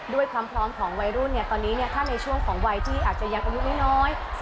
ด้วยความพร้อมของวัยรุ่นตอนนี้ถ้าในช่วงของวัยที่อาจจะยังอายุน้อย